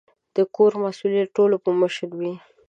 د کور مسؤلیت ټول په مشر وي